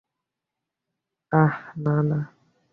আহ্ না, না।